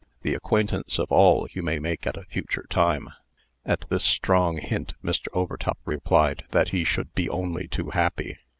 The acquaintance of all you may make at a future time." At this strong hint, Mr. Overtop replied, that he should be only too happy.